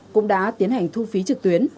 cũng đã tiến hành thu phí trực tuyến